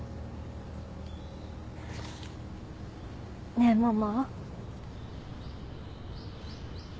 ねえママ。